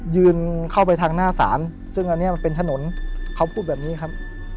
ยืนเข้าไปทางหน้าศาลซึ่งอันนี้มันเป็นถนนเขาพูดแบบนี้ครับ